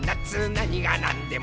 なにがなんでも」